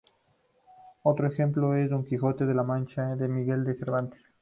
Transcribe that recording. Otro ejemplo es "Don Quijote de la Mancha" de Miguel de Cervantes.